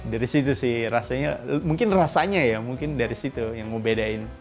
dari situ sih rasanya mungkin rasanya ya mungkin dari situ yang membedain